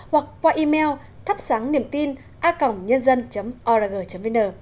hoặc qua email thapsangniemtina org vn